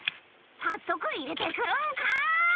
早速入れて来るんかい！